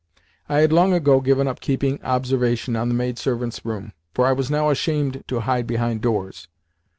I had long ago given up keeping observation on the maidservants' room, for I was now ashamed to hide behind doors.